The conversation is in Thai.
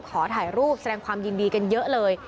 ขอถ่ายรูปแสดงความยินดีกันเยอะเลย